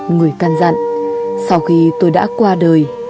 người can dặn sau khi tôi đã qua đời